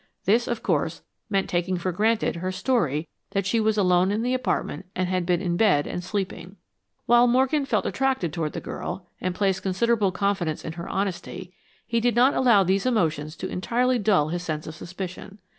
This, of course, meant taking for granted her story that she was alone in the apartment and had been in bed and sleeping. While Morgan felt attracted toward the girl, and placed considerable confidence in her honesty, he did not allow these emotions to entirely dull his sense of suspicion.